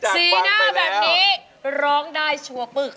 สีหน้าแบบนี้ร้องได้ชัวร์ปึก